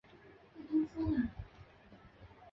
父亲邵维钫英国奥地利裔白人香港社会活动家。